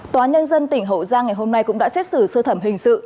tòa nhân dân tỉnh hậu giang ngày hôm nay cũng đã xét xử sơ thẩm hình sự